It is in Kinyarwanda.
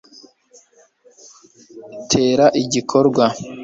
tera igikorwa